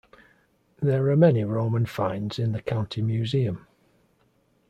There are many Roman finds in the County Museum.